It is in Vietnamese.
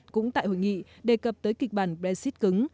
cũng tại hội nghị đề cập tới kịch bản brexit cứng